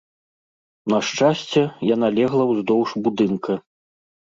На шчасце, яна легла ўздоўж будынка.